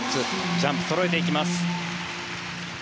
ジャンプそろえていきます。